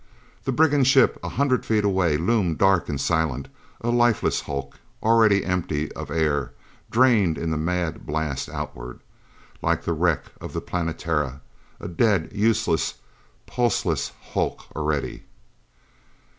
The brigand ship, a hundred feet away, loomed dark and silent, a lifeless hulk, already empty of air, drained in the mad blast outward. Like the wreck of the Planetara a dead, useless, pulseless hulk already.